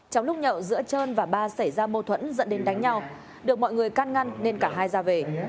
trong lúc nhậu giữa trơn và ba xảy ra mâu thuẫn dẫn đến đánh nhau được mọi người can ngăn nên cả hai ra về